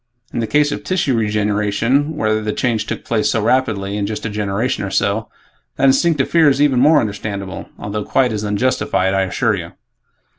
In the case of tissue regeneration, where the change took place so rapidly, in just a generation or so, that instinctive fear is even more understandable although quite as unjustified, I assure you."